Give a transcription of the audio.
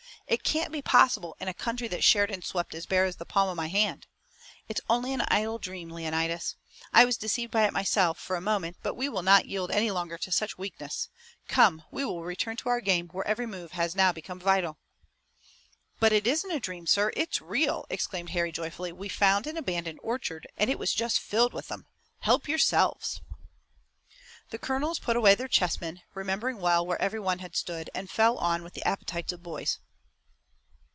"It can't be possible in a country that Sheridan swept as bare as the palm of my hand. It's only an idle dream, Leonidas. I was deceived by it myself, for a moment, but we will not yield any longer to such weakness. Come, we will return to our game, where every move has now become vital." "But it isn't a dream, sir! It's real!" exclaimed Harry joyfully. "We found an abandoned orchard, and it was just filled with 'em. Help yourselves!" The colonels put away their chessmen, remembering well where every one had stood, and fell on with the appetites of boys.